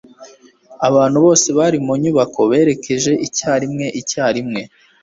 abantu bose bari mu nyubako berekeje icyarimwe icyarimwe